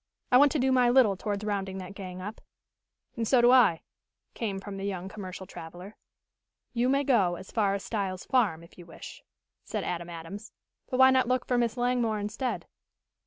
"I want to do my little towards rounding that gang up." "And so do I," came from the young commercial traveler. "You may go as far as Styles' farm, if you wish," said Adam Adams. "But why not look for Miss Langmore instead?"